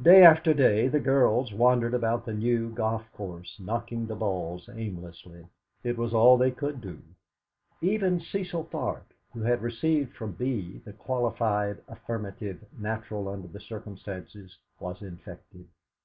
Day after day the girls wandered about the new golf course knocking the balls aimlessly; it was all they could do. Even Cecil Tharp, who had received from Bee the qualified affirmative natural under the circumstances, was infected.